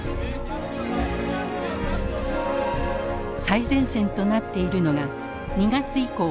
最前線となっているのが２月以降対